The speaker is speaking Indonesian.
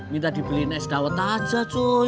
minta dibeliin es dawet aja cu